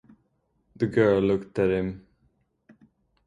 The girl looked at him.